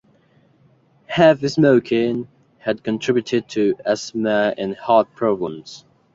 Heavy smoking had contributed to asthma and heart problems.